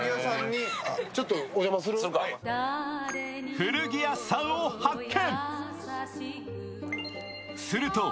古着屋さんを発見。